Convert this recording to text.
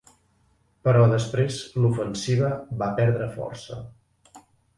Però després l'ofensiva va perdre força.